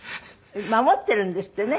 守っているんですってね。